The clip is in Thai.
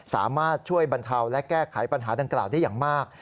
สามารถช่วยบรรเทาและแก้ไขปัญหาดังกล่าวได้อย่างมาก